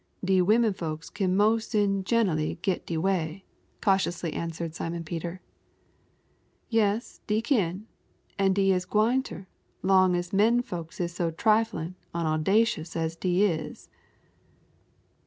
"De womenfolks kin mos' in gen'ally git dey way," cautiously answered Simon Peter. "Yes, dey kin; an' dey is gwine ter, 'long as menfolks is so triflin' an' owdacious as dey is."